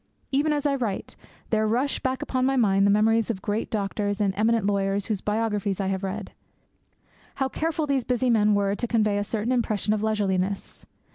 Even as I write, there rush back upon my mind the memories of the great doctors and eminent lawyers whose biographies I have read. How careful these busy men were to convey a certain impression of leisureliness!